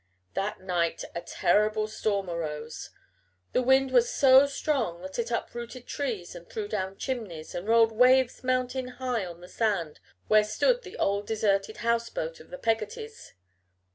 That night a terrible storm arose. The wind was so strong that it uprooted trees and threw down chimneys and rolled waves mountain high on the sand where stood the old deserted house boat of the Peggottys.